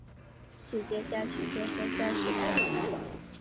期间向许多宗教学者请教。